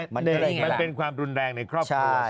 มันเป็นความรุนแรงในครอบครัว